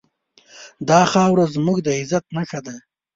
دا خاوره زموږ د عزت نښه ده.